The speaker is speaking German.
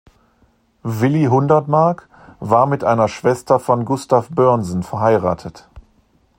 Willy Hundertmark war mit einer Schwester von Gustav Böhrnsen verheiratet.